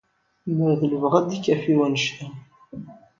Lemmer d lebɣi, ad d-ikafi wanect-a.